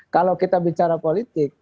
kalau kita bicara politik